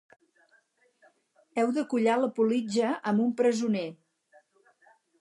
Heu de collar la politja amb un presoner